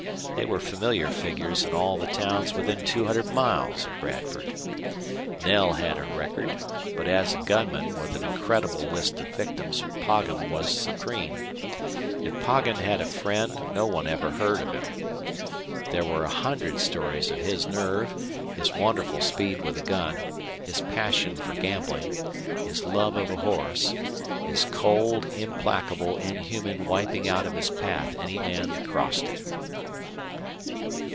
They were familiar figures in all the towns within two hundred miles of Bradford. Knell had a record, but as gunman with an incredible list of victims Poggin was supreme. If Poggin had a friend no one ever heard of him. There were a hundred stories of his nerve, his wonderful speed with a gun, his passion for gambling, his love of a horse his cold, implacable, inhuman wiping out of his path any man that crossed it.